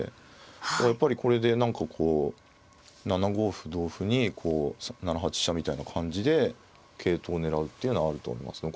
やっぱりこれで何かこう７五歩同歩にこう７八飛車みたいな感じで桂頭を狙うっていうのはあると思いますよ。